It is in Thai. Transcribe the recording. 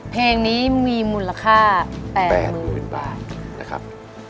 เพลงนี้มีมูลค่า๘๐๐๐๐บาท